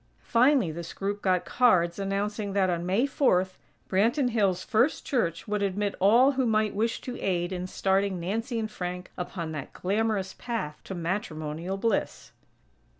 Finally this group got cards announcing that on May Fourth, Branton Hills' First Church would admit all who might wish to aid in starting Nancy and Frank upon that glamorous path to matrimonial bliss.